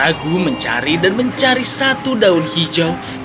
ragu mencari dan mencari satu daun hijau